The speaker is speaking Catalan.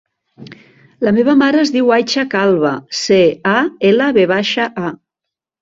La meva mare es diu Aicha Calva: ce, a, ela, ve baixa, a.